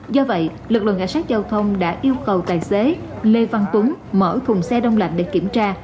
do vậy lực lượng cảnh sát giao thông đã yêu cầu tài xế lê văn tuấn mở thùng xe đông lạnh để kiểm tra